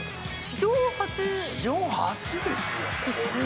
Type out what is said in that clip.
史上初ですよ。